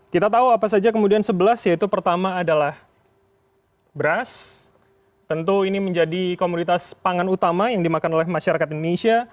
kita tahu apa saja kemudian sebelas yaitu pertama adalah beras tentu ini menjadi komoditas pangan utama yang dimakan oleh masyarakat indonesia